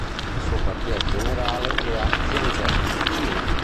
Il suo quartier generale è a Shenzhen, Cina.